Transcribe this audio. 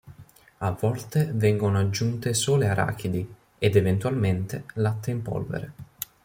A volte vengono aggiunte sole arachidi, ed eventualmente, latte in polvere.